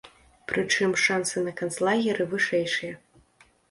Прычым, шансы на канцлагеры вышэйшыя.